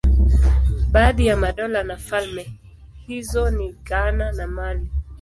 Baadhi ya madola na falme hizo ni Ghana na Mali.